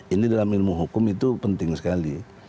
ini dalam ilmu hukum itu penting sekali